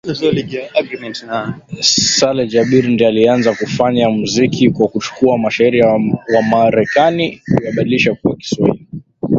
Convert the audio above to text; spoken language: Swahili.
Saleh Jabir ndiye alianza kufanya muziki kwa kuchukua mashairi ya wamarekani kuyabadilisha kuwa kiswahili